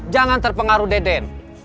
jangan terpengaruh deden